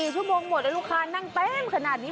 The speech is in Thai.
๔ชั่วโมงหมดแล้วลูกค้านั่งเต็มขนาดนี้